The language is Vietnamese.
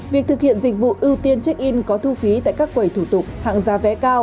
việc thực hiện dịch vụ ưu tiên check in có thu phí tại các quầy thủ tục hạng ra vé cao